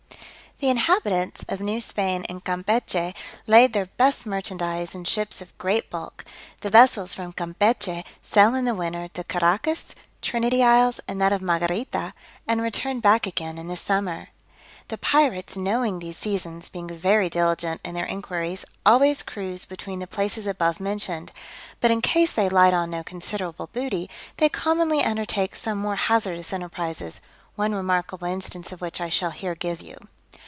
The inhabitants of New Spain and Campechy lade their best merchandize in ships of great bulk: the vessels from Campechy sail in the winter to Caraccas, Trinity isles, and that of Margarita, and return back again in the summer. The pirates knowing these seasons (being very diligent in their inquiries) always cruise between the places above mentioned; but in case they light on no considerable booty, they commonly undertake some more hazardous enterprises: one remarkable instance of which I shall here give you.